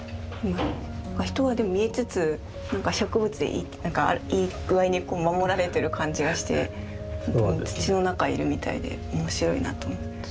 人はでも見えつつ植物いい具合に守られてる感じがして土の中いるみたいで面白いなと思いますね。